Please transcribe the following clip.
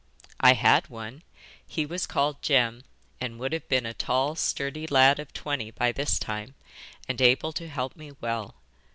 'I had one: he was called Jem, and would have been a tall sturdy lad of twenty by this time, and able to help me well.